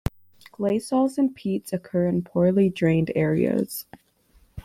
Gleysols and peats occur in poorly drained areas.